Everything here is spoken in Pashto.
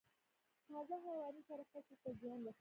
تازه حیواني سره فصل ته زیان رسوي؟